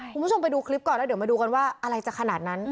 คุณผู้ชมไปดูคลิปก่อนแล้วเดี๋ยวมาดูกันว่าอะไรจะขนาดนั้น